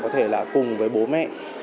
có thể là cùng với bố mẹ